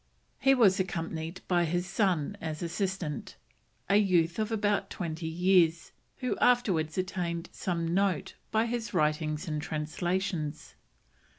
He was accompanied by his son as assistant, a youth of about twenty years, who afterwards attained some note by his writings and translations.